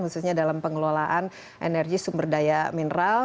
khususnya dalam pengelolaan energi sumber daya mineral